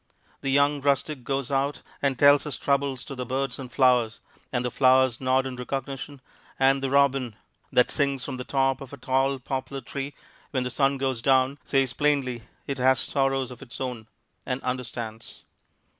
The young rustic goes out and tells his troubles to the birds and flowers, and the flowers nod in recognition, and the robin that sings from the top of a tall poplar tree when the sun goes down says plainly it has sorrows of its own and understands.